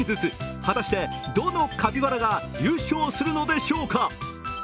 果たしてどのカピバラが優勝するのでしょうか？